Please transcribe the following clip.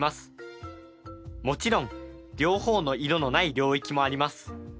もちろん両方の色のない領域もあります。